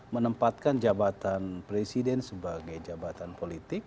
menempatkan jabatan presiden sebagai jabatan politik